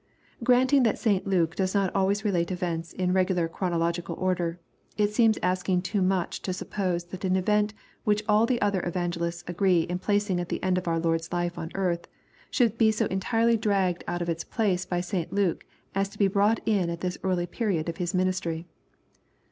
Granting that St Luke does not always relate events in regular chronological order, it seems asking too much to sup pose that an event which all the other evangelists agree in placing at the end of our Lord's life on earth, should be so entirely dragged out of its place by St Luke as to be brought in at this early period of His ministry.